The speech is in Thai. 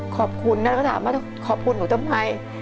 ขอบคุณแล้วก็ถามว่าขอบคุณหนูทำไม